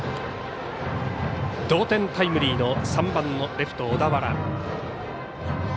同点タイムリーの３番のレフト、小田原。